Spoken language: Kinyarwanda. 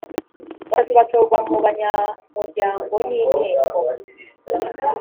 batatu batorwa mu banyamuryango n inteko